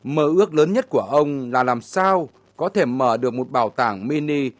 mơ ước lớn nhất của ông là làm sao có thể mở được một bảo tàng mini